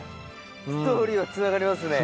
ストーリーはつながりますね。